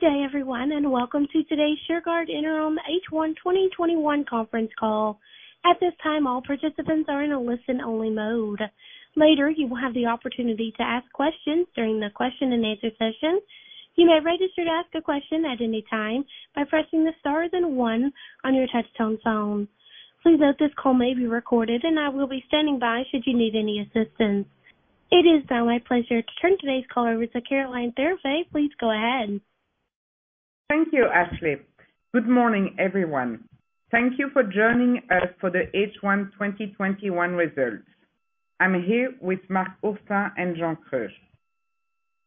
Good day everyone, and welcome to today's Shurgard Interim H1 2021 conference call. At this time, all participants are in a listen-only mode. Later, you will have the opportunity to ask questions during the question and answer session. You may register to ask a question at any time by pressing the star and one on your telephone phone. Please note this call may be recorded and I will be standing by should you need any assistance. It is now my pleasure to turn today's call over to Caroline Thirifay. Please go ahead. Thank you, Ashley. Good morning, everyone. Thank you for joining us for the H1 2021 results. I am here with Marc Oursin and Jean Kreusch.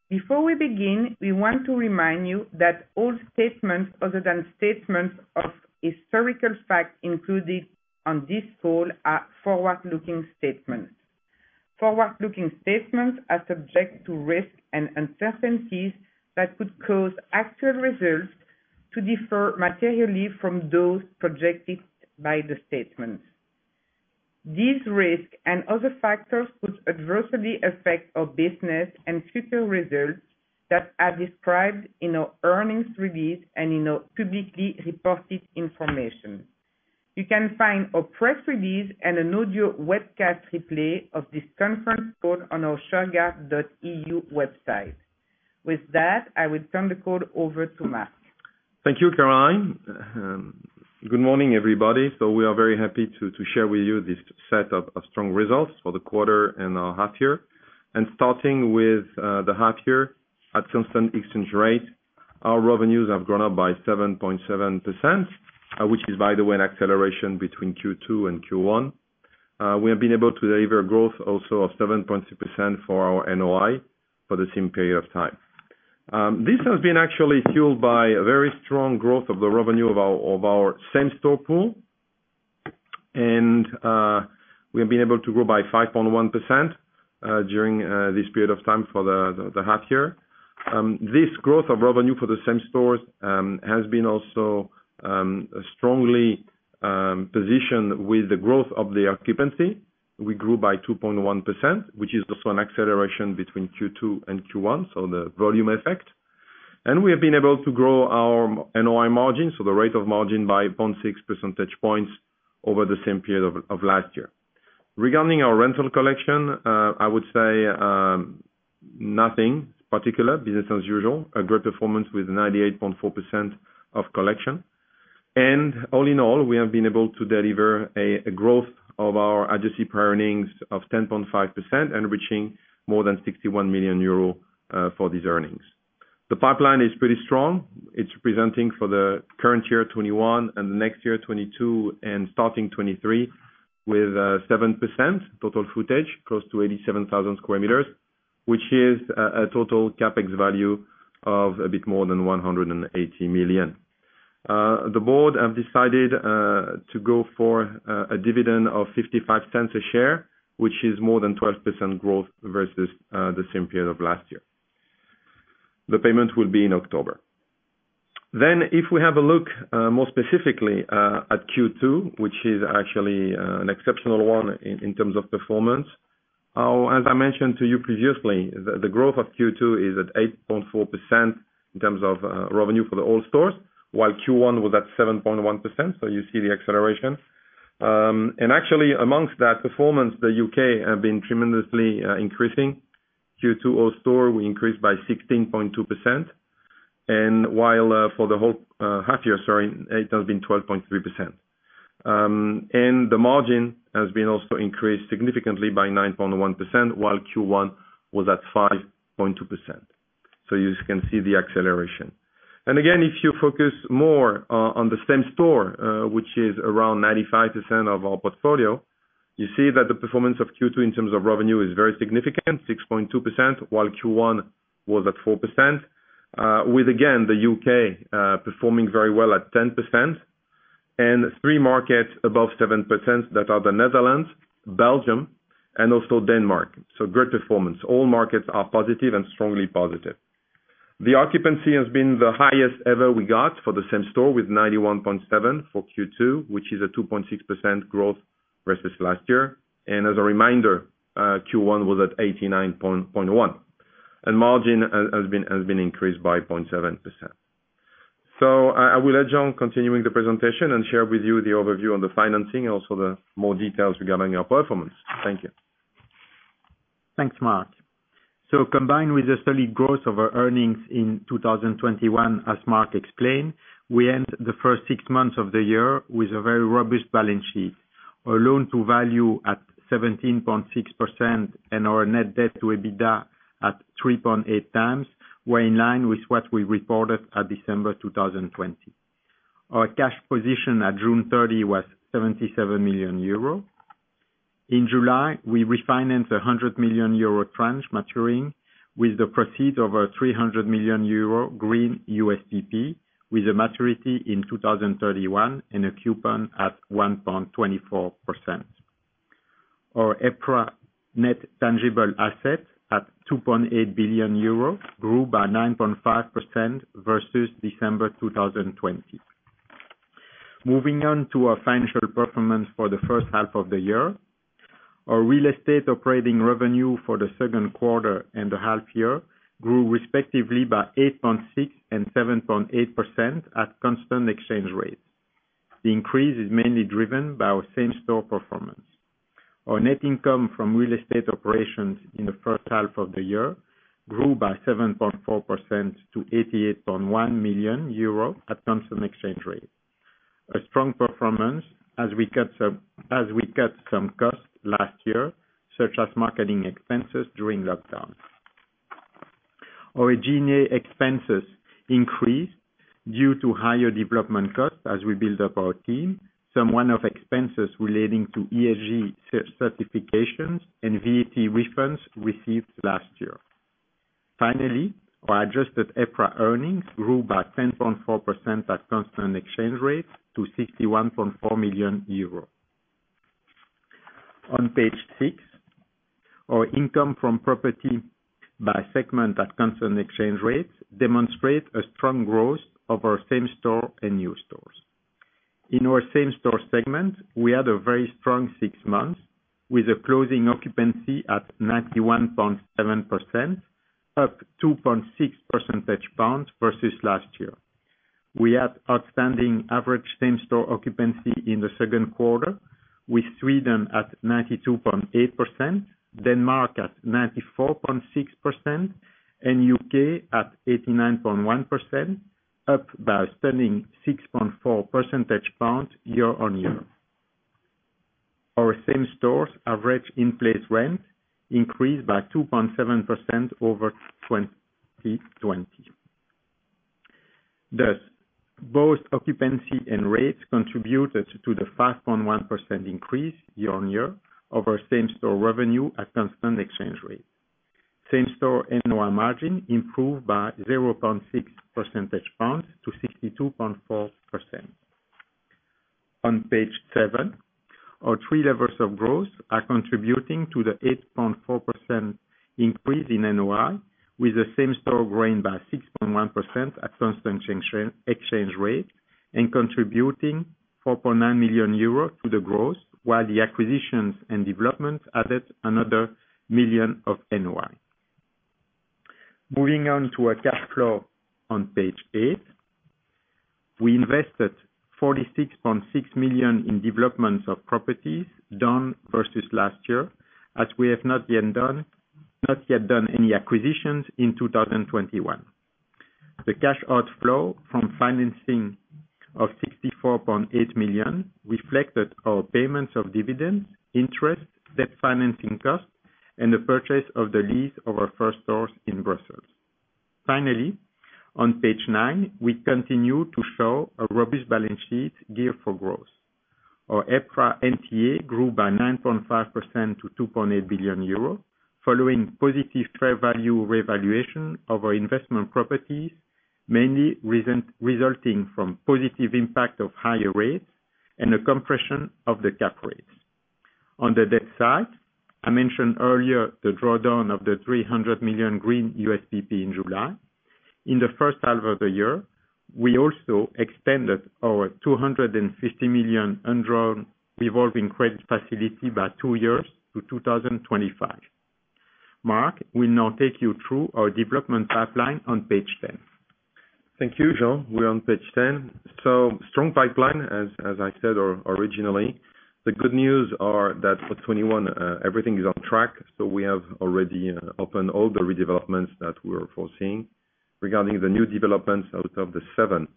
Before we begin, we want to remind you that all statements other than statements of historical fact included on this call are forward-looking statements. Forward-looking statements are subject to risks and uncertainties that could cause actual results to differ materially from those projected by the statements. These risks and other factors could adversely affect our business and future results that are described in our earnings release and in our publicly reported information. You can find a press release and an audio webcast replay of this conference call on our shurgard.eu website. With that, I will turn the call over to Marc Oursin. Thank you, Caroline. Good morning, everybody. We are very happy to share with you this set of strong results for the quarter and our half year. Starting with the half year, at constant exchange rate, our revenues have gone up by 7.7%, which is by the way an acceleration between Q2 and Q1. We have been able to deliver growth also of 7.2% for our Net Operating Income for the same period of time. This has been actually fueled by a very strong growth of the revenue of our same-store pool, and we have been able to grow by 5.1% during this period of time for the half year. This growth of revenue for the same-store has been also strongly positioned with the growth of the occupancy. We grew by 2.1%, which is also an acceleration between Q2 and Q1, so the volume effect. We have been able to grow our NOI margin, so the rate of margin, by 0.6 percentage points over the same period of last year. Regarding our rental collection, I would say nothing particular, business as usual, a great performance with 98.4% of collection. All in all, we have been able to deliver a growth of our adjusted European Public Real Estate Association earnings of 10.5% and reaching more than 61 million euro for these earnings. The pipeline is pretty strong. It's presenting for the current year 2021 and the next year 2022 and starting 2023 with 7% total footage close to 87,000 sq m, which is a total CapEx value of a bit more than 180 million. The board have decided to go for a dividend of 0.55 a share, which is more than 12% growth versus the same period of last year. The payment will be in October. If we have a look more specifically at Q2, which is actually an exceptional one in terms of performance. As I mentioned to you previously, the growth of Q2 is at 8.4% in terms of revenue for the old stores, while Q1 was at 7.1%, so you see the acceleration. Actually amongst that performance, the U.K. have been tremendously increasing. Q2 old store, we increased by 16.2%, and while for the whole half year, sorry, it has been 12.3%. The margin has been also increased significantly by 9.1%, while Q1 was at 5.2%. You can see the acceleration. Again, if you focus more on the same-store, which is around 95% of our portfolio, you see that the performance of Q2 in terms of revenue is very significant, 6.2%, while Q1 was at 4%, with again, the U.K. performing very well at 10%, and three markets above 7%, that are the Netherlands, Belgium, and also Denmark. Great performance. All markets are positive and strongly positive. The occupancy has been the highest ever we got for the same-store with 91.7% for Q2, which is a 2.6% growth versus last year. As a reminder, Q1 was at 89.11%. Margin has been increased by 0.7%. I will let Jean Kreusch continuing the presentation and share with you the overview on the financing, also the more details regarding our performance. Thank you. Thanks, Marc. Combined with the steady growth of our earnings in 2021, as Marc explained, we end the first six months of the year with a very robust balance sheet. Our loan-to-value at 17.6% and our Net Debt to EBITDA at 3.8x were in line with what we reported at December 2020. Our cash position at June 30 was 77 million euro. In July, we refinanced a 100 million euro tranche maturing with the proceed of a 300 million euro green US Private Placement with a maturity in 2031 and a coupon at 1.24%. Our EPRA net tangible assets at 2.8 billion euros grew by 9.5% versus December 2020. Moving on to our financial performance for the first half of the year. Our real estate operating revenue for the second quarter and the half year grew respectively by 8.6% and 7.8% at constant exchange rates. The increase is mainly driven by our same-store performance. Our net income from real estate operations in the first half of the year grew by 7.4% to 88.1 million euro at constant exchange rates. A strong performance as we cut some costs last year, such as marketing expenses during lockdowns. Our General and Administrative expenses increased due to higher development costs as we build up our team, some one-off expenses relating to Environmental, Social, and Governance certifications, and Value-Added Tax refunds received last year. Finally, our adjusted EPRA earnings grew by 10.4% at constant exchange rates to 61.4 million euros. On page six, our income from property by segment at constant exchange rates demonstrate a strong growth of our same-store and new stores. In our same-store segment, we had a very strong six months, with a closing occupancy at 91.7%, up 2.6 percentage points versus last year. We had outstanding average same-store occupancy in the second quarter, with Sweden at 92.8%, Denmark at 94.6%, and U.K. at 89.1%, up by a stunning 6.4 percentage points year-on-year. Our same-store average in-place rent increased by 2.7% over 2020. Both occupancy and rates contributed to the 5.1% increase year-on-year over same-store revenue at constant exchange rates. Same-store NOI margin improved by 0.6 percentage points to 62.4%. On page seven, our three levers of growth are contributing to the 8.4% increase in NOI, with the same-store growing by 6.1% at constant exchange rate and contributing 4.9 million euros to the growth, while the acquisitions and developments added another 1 million of NOI. Moving on to our cash flow on page eight. We invested 46.6 million in developments of properties done versus last year, as we have not yet done any acquisitions in 2021. The cash outflow from financing of 64.8 million reflected our payments of dividends, interest, debt financing costs, and the purchase of the lease of our first stores in Brussels. On page nine, we continue to show a robust balance sheet geared for growth. Our EPRA Net Tangible Assets grew by 9.5% to 2.8 billion euros, following positive fair value revaluation of our investment properties, mainly resulting from positive impact of higher rates and a compression of the cap rates. On the debt side, I mentioned earlier the drawdown of the 300 million green USPP in July. In the first half of the year, we also extended our 250 million undrawn revolving credit facility by two years to 2025. Marc will now take you through our development pipeline on page 10. Thank you, Jean. We're on page 10. Strong pipeline, as I said originally. The good news are that for 2021, everything is on track, so we have already opened all the redevelopments that we're foreseeing. Regarding the new developments, out of the seven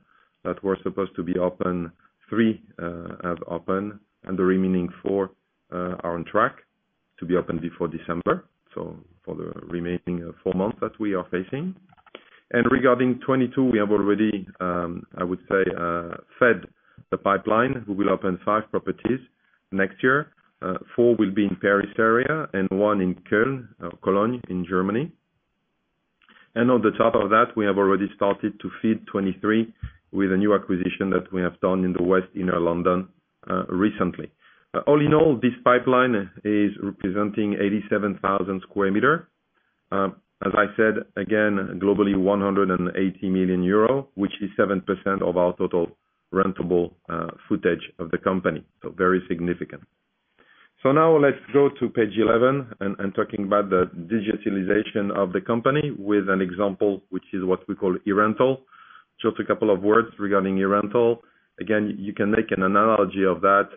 that were supposed to be open, three have opened, and the remaining four are on track to be open before December. For the remaining four months that we are facing. Regarding 2022, we have already, I would say, Fed the pipeline. We will open five properties next year. Four will be in Paris area and one in Cologne, in Germany. On the top of that, we have already started to feed 2023 with a new acquisition that we have done in the West Inner London recently. All in all, this pipeline is representing 87,000 sq m. As I said, again, globally 180 million euro, which is 7% of our total rentable footage of the company. Very significant. Now let's go to page 11, and talking about the digitalization of the company with an example, which is what we call eRental. Just a couple of words regarding eRental. Again, you can make an analogy of that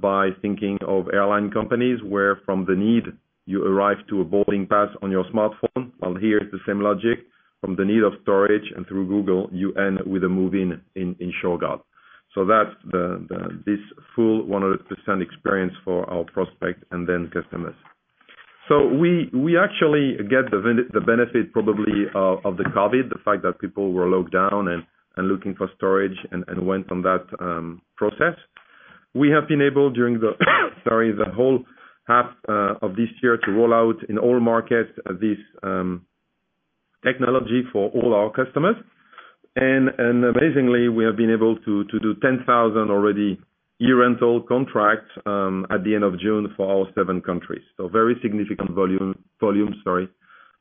by thinking of airline companies, where from the need you arrive to a boarding pass on your smartphone. Well, here it's the same logic. From the need of storage and through Google, you end with a move-in in Shurgard. That's this full 100% experience for our prospect and then customers. We actually get the benefit probably of the COVID, the fact that people were locked down and looking for storage and went on that process. We have been able during the whole half of this year to roll out in all markets this technology for all our customers. Amazingly, we have been able to do 10,000 already eRental contracts at the end of June for our seven countries. Very significant volume.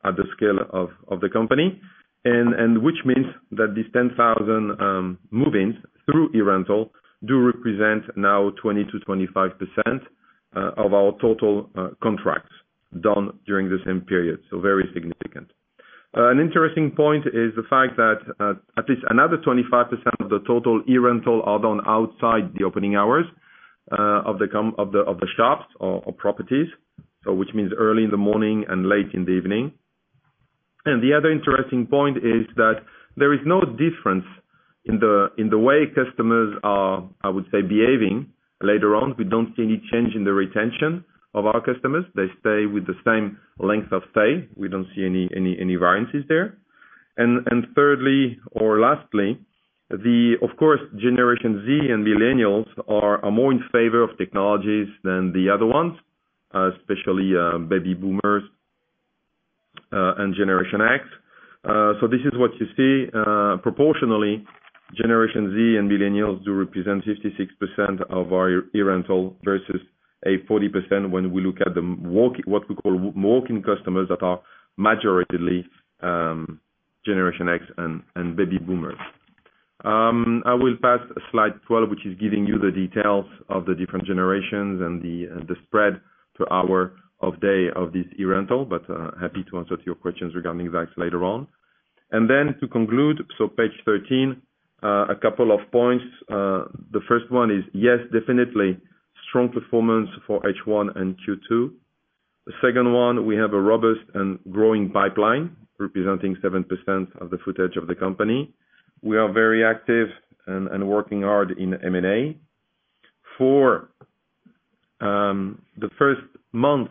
At the scale of the company. Which means that these 10,000 move-ins through eRental do represent now 20%-25% of our total contracts done during the same period. Very significant. An interesting point is the fact that at least another 25% of the total eRental are done outside the opening hours of the shops or properties. Which means early in the morning and late in the evening. The other interesting point is that there is no difference in the way customers are, I would say, behaving later on. We don't see any change in the retention of our customers. They stay with the same length of stay. We don't see any variances there. Thirdly or lastly, of course, generation Z and millennials are more in favor of technologies than the other ones, especially baby boomers and generation X. This is what you see, proportionally, generation Z and millennials do represent 56% of our eRental versus a 40% when we look at the, what we call walk-in customers that are majoritively generation X and baby boomers. I will pass slide 12, which is giving you the details of the different generations and the spread to hour of day of this eRental, but happy to answer to your questions regarding that later on. To conclude, page 13, a couple of points. The first one is, yes, definitely strong performance for H1 and Q2. The second one, we have a robust and growing pipeline representing 7% of the footage of the company. We are very active and working hard in Mergers and Acquisitions. For the first month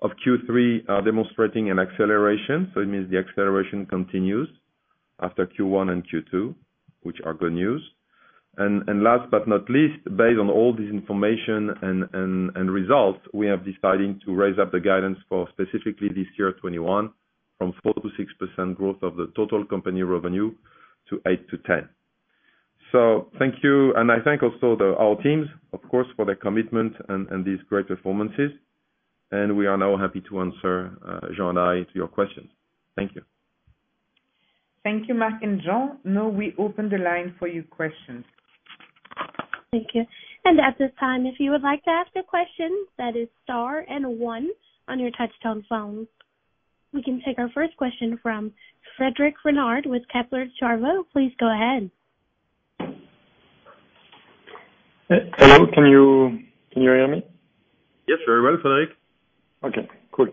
of Q3 are demonstrating an acceleration, so it means the acceleration continues after Q1 and Q2, which are good news. Last but not least, based on all this information and results, we have deciding to raise up the guidance for specifically this year 2021 from 4%-6% growth of the total company revenue to 8%-10%. Thank you, and I thank also our teams, of course, for their commitment and these great performances. We are now happy to answer, Jean and I, to your questions. Thank you. Thank you, Marc and Jean. Now we open the line for your questions. Thank you. At this time, if you would like to ask a question, that is star and one on your touchtone phone. We can take our first question from Frédéric Renard with Kepler Cheuvreux. Please go ahead. Hello, can you hear me? Yes, very well, Frédéric. Okay, cool.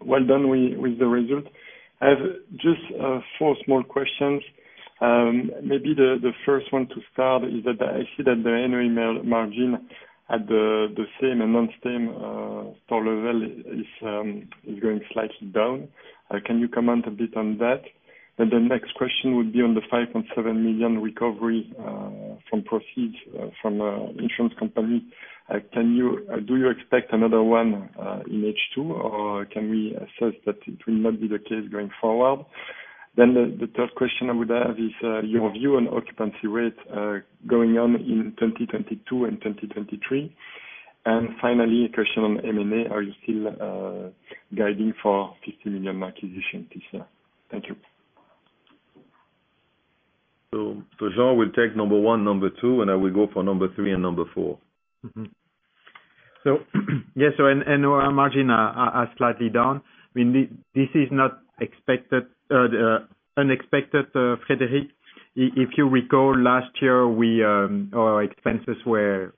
Well done with the result. I have just four small questions. Maybe the first one to start is that I see that the annual NOI margin at the same and non-same store level is going slightly down. Can you comment a bit on that? The next question would be on the 5.7 million recovery from proceeds from insurance company. Do you expect another one in H2, or can we assess that it will not be the case going forward? The third question I would have is your view on occupancy rates going on in 2022 and 2023. Finally, a question on M&A. Are you still guiding for 50 million acquisition this year? Thank you. Jean will take number one, number two, and I will go for number three and number four. Yes, and our margin are slightly down. This is not unexpected, Frédéric. If you recall last year, our expenses were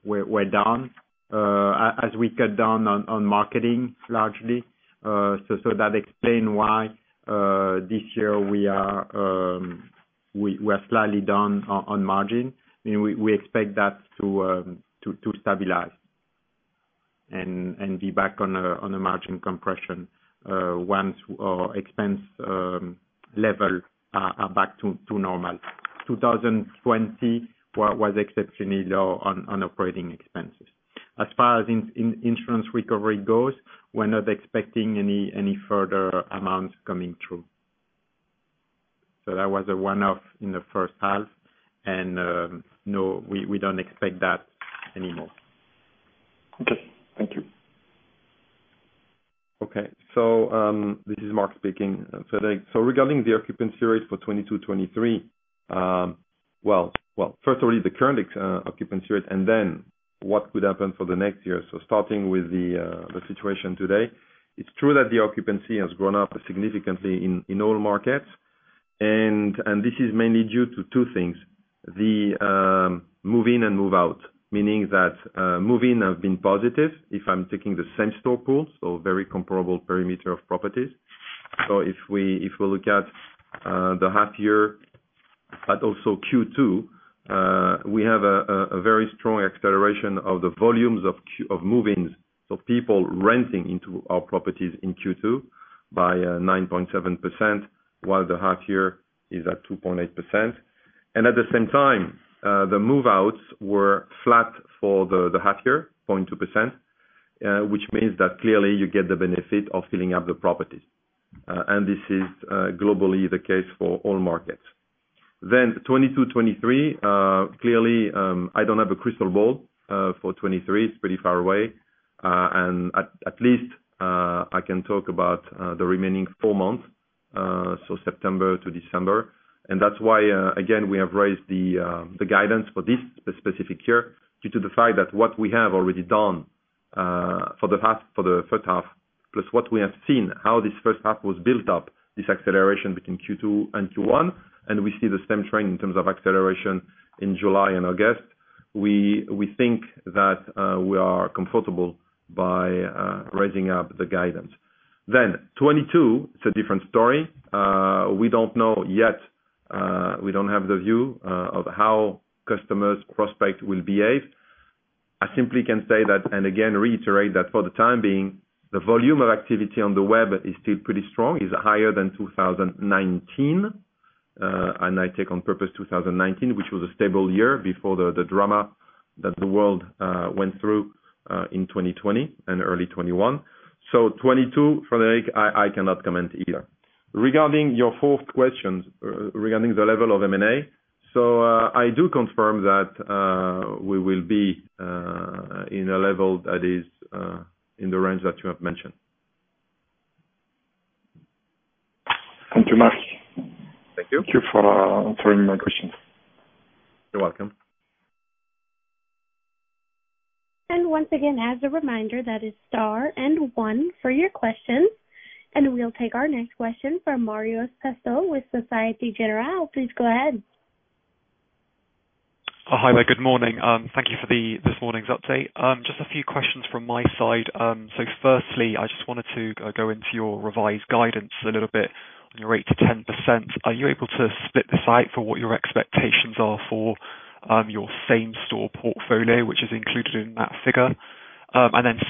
down as we cut down on marketing largely. That explain why this year we are slightly down on margin. We expect that to stabilize and be back on a margin compression once our expense level are back to normal. 2020 was exceptionally low on operating expenses. As far as insurance recovery goes, we're not expecting any further amounts coming through. That was a one-off in the first half, and, no, we don't expect that anymore. Okay. Thank you. This is Marc speaking. Frédéric, regarding the occupancy rates for 2022, 2023. First of all, the current occupancy rate and what could happen for the next year. Starting with the situation today. It is true that the occupancy has gone up significantly in all markets. This is mainly due to two things, the move-in and move-out. Meaning that move-in have been positive if I am taking the same-store pool, very comparable perimeter of properties. If we look at the half year, but also Q2, we have a very strong acceleration of the volumes of move-ins of people renting into our properties in Q2 by 9.7%, while the half year is at 2.8%. At the same time, the move-outs were flat for the half year, 0.2%, which means that clearly you get the benefit of filling up the property. This is globally the case for all markets. 2022, 2023, clearly, I don't have a crystal ball for 2023. It's pretty far away. At least I can talk about the remaining four months, so September to December. That's why, again, we have raised the guidance for this specific year due to the fact that what we have already done for the first half, plus what we have seen, how this first half was built up, this acceleration between Q2 and Q1, and we see the same trend in terms of acceleration in July and August. We think that we are comfortable by raising up the guidance. 2022, it's a different story. We don't know yet. We don't have the view of how customers prospect will behave. I simply can say that, and again, reiterate that for the time being, the volume of activity on the web is still pretty strong, is higher than 2019. I take on purpose 2019, which was a stable year before the drama that the world went through in 2020 and early 2021. 2022, Frédéric, I cannot comment either. Regarding your fourth question, regarding the level of M&A. I do confirm that we will be in a level that is in the range that you have mentioned. Thank you, Marc. Thank you. Thank you for answering my questions. You're welcome. Once again, as a reminder, that is star and one for your questions. We'll take our next question from Marios Pastou with Societe Generale. Please go ahead. Hi there. Good morning. Thank you for this morning's update. Just a few questions from my side. Firstly, I just wanted to go into your revised guidance a little bit on your 8%-10%. Are you able to split this out for what your expectations are for your same-store portfolio, which is included in that figure?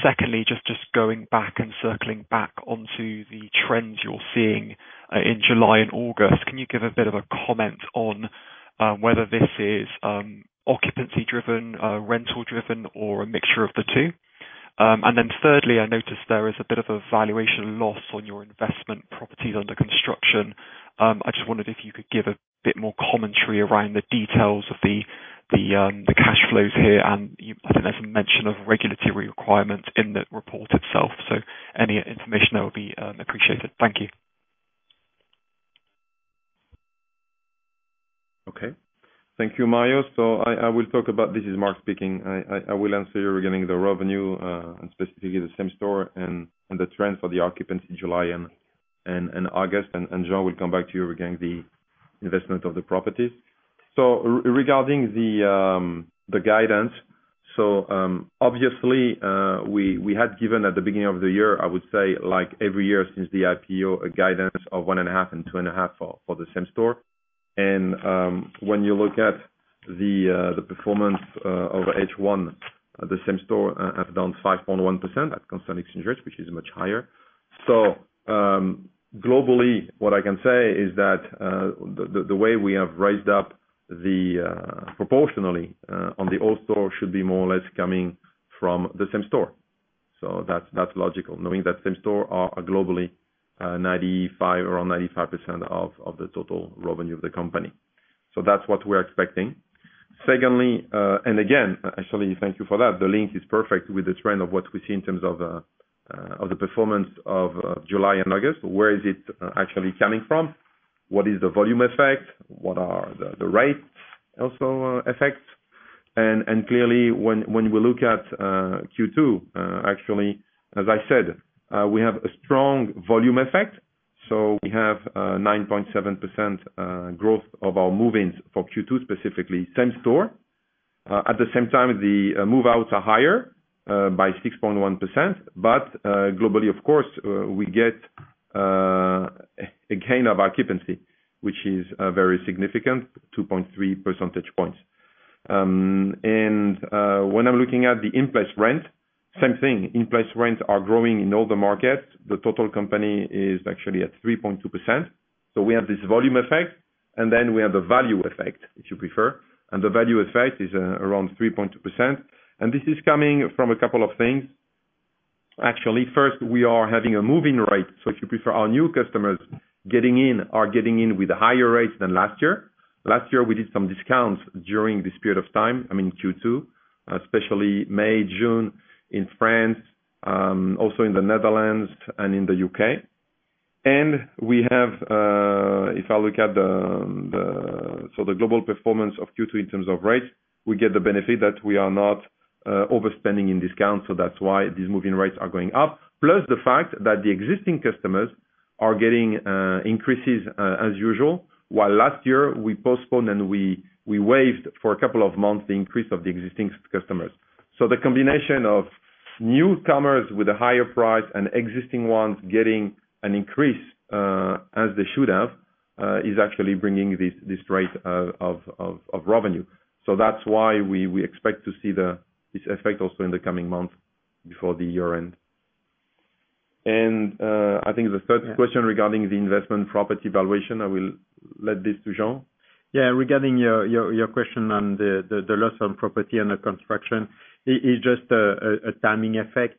Secondly, just going back and circling back onto the trends you're seeing in July and August, can you give a bit of a comment on whether this is occupancy-driven, rental-driven, or a mixture of the two? Thirdly, I noticed there is a bit of a valuation loss on your investment properties under construction. I just wondered if you could give a bit more commentary around the details of the cash flows here, and I think there's a mention of regulatory requirements in the report itself. Any information that would be appreciated. Thank you. Okay. Thank you, Marios. This is Marc speaking. I will answer you regarding the revenue, specifically the same-store and the trends for the occupancy in July and August. Jean will come back to you regarding the investment of the properties. Regarding the guidance, obviously, we had given at the beginning of the year, I would say like every year since the Initial Public Offering, a guidance of 1.5%-2.5% for the same-store. When you look at the performance of H1, the same-store have done 5.1% at constant exchange rates, which is much higher. Globally, what I can say is that, the way we have raised up proportionally, on the old store should be more or less coming from the same-store. That's logical, knowing that same-store are globally around 95% of the total revenue of the company. That's what we're expecting. Secondly, actually, thank you for that. The link is perfect with the trend of what we see in terms of the performance of July and August. Where is it actually coming from? What is the volume effect? What are the rates also effect? Clearly when we look at Q2, actually, as I said, we have a strong volume effect. We have 9.7% growth of our move-ins for Q2, specifically same-store. At the same time, the move-outs are higher by 6.1%. Globally, of course, we get a gain of occupancy, which is very significant, 2.3 percentage points. When I'm looking at the in-place rent, same thing. In-place rents are growing in all the markets. The total company is actually at 3.2%. We have this volume effect, and then we have the value effect, if you prefer. The value effect is around 3.2%. This is coming from a couple of things. Actually, first, we are having a move-in rate. If you prefer, our new customers getting in are getting in with higher rates than last year. Last year, we did some discounts during this period of time, I mean Q2, especially May, June in France, also in the Netherlands and in the U.K. We have, if I look at the global performance of Q2 in terms of rates, we get the benefit that we are not overspending in discounts. That's why these move-in rates are going up. The fact that the existing customers are getting increases as usual, while last year we postponed and we waived for a couple of months the increase of the existing customers. The combination of newcomers with a higher price and existing ones getting an increase, as they should have, is actually bringing this rate of revenue. That's why we expect to see this effect also in the coming months before the year-end. I think the third question regarding the investment property valuation, I will let this to Jean. Yeah. Regarding your question on the loss on property under construction. It's just a timing effect.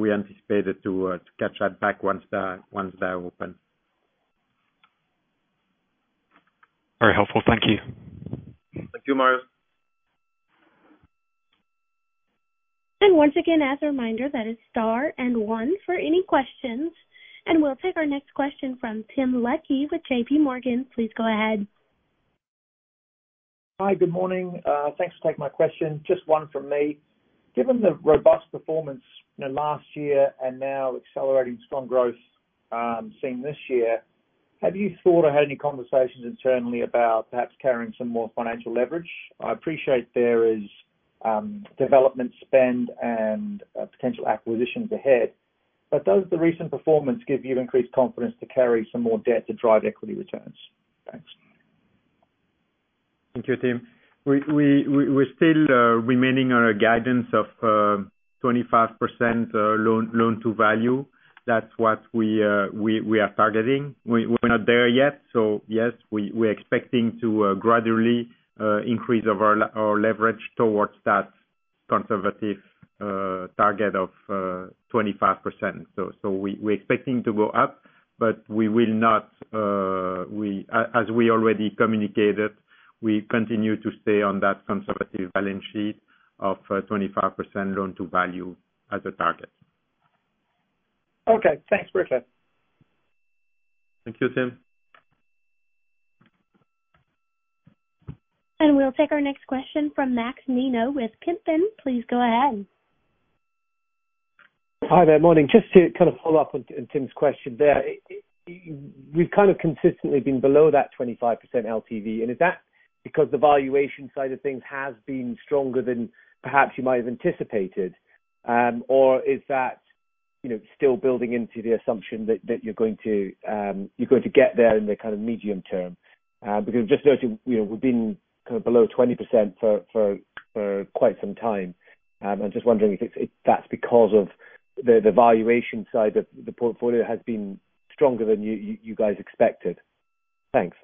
We anticipate to catch that back once they're open. Very helpful. Thank you. Thank you, Marios. Once again, as a reminder, that is star and one for any questions. We'll take our next question from Tim Leckie with JPMorgan. Please go ahead. Hi. Good morning. Thanks for taking my question. Just one from me. Given the robust performance last year and now accelerating strong growth seen this year, have you thought or had any conversations internally about perhaps carrying some more financial leverage? I appreciate there is development spend and potential acquisitions ahead, but does the recent performance give you increased confidence to carry some more debt to drive equity returns? Thanks. Thank you, Tim. We're still remaining on our guidance of 25% loan-to-value. That's what we are targeting. We're not there yet. Yes, we're expecting to gradually increase our leverage towards that conservative target of 25%. We're expecting to go up, but as we already communicated, we continue to stay on that conservative balance sheet of 25% loan-to-value as a target. Okay, thanks. Appreciate it. Thank you, Tim. We'll take our next question from Max Nimmo with Kempen. Please go ahead. Hi there. Morning. Just to kind of follow up on Tim's question there. We've kind of consistently been below that 25% Loan-to-Value, and is that because the valuation side of things has been stronger than perhaps you might have anticipated, or is that still building into the assumption that you're going to get there in the medium term? Because I've just noticed we've been below 20% for quite some time. I'm just wondering if that's because of the valuation side of the portfolio has been stronger than you guys expected? Thanks.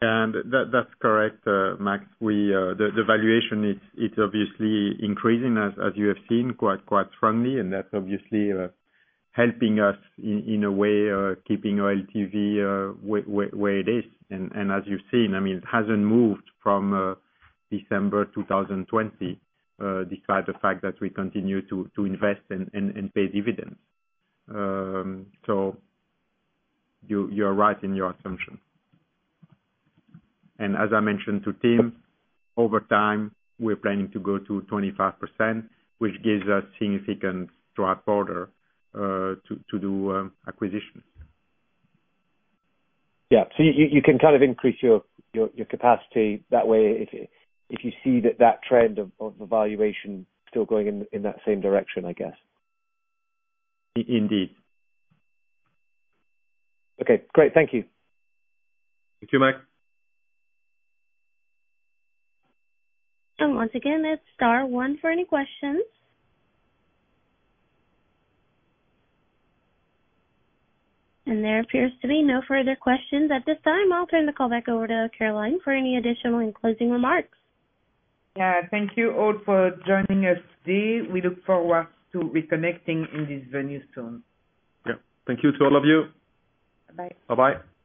That's correct, Max. The valuation is obviously increasing, as you have seen, quite strongly, and that's obviously helping us in a way keeping our LTV where it is. As you've seen, it hasn't moved from December 2020, despite the fact that we continue to invest and pay dividends. You're right in your assumption. As I mentioned to Tim, over time, we're planning to go to 25%, which gives us significant dry powder to do acquisitions. Yeah. You can kind of increase your capacity that way if you see that trend of valuation still going in that same direction, I guess. Indeed. Okay, great. Thank you. Thank you, Max. Once again, it's star one for any questions. There appears to be no further questions at this time. I'll turn the call back over to Caroline for any additional and closing remarks. Thank you all for joining us today. We look forward to reconnecting in this venue soon. Thank you to all of you. Bye-bye. Bye-bye.